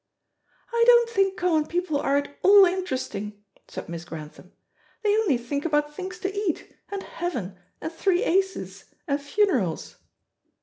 "I don't think common people are at all interesting," said Miss Grantham. "They only think about things to eat, and heaven, and three aces, and funerals."